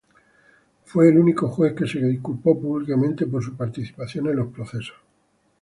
Fue el único juez que se disculpó públicamente por su participación en los procesos.